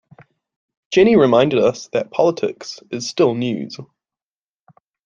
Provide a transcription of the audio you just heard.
Jenny reminded us that politics is still news.